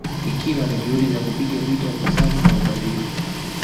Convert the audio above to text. Ikiwa ni juhudi za kupiga vita ufisadi na ubadhirifu